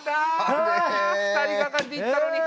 ２人がかりでいったのに。